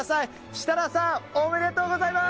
設楽さん、おめでとうございます。